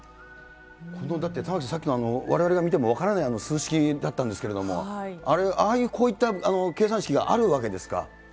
このだって、玉城さん、われわれが見ても分からない数式だったんですけれども、ああいうこういった計算式があるわけですか。